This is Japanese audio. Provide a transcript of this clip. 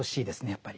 やっぱり。